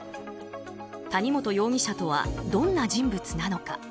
谷本容疑者とはどんな人物なのか。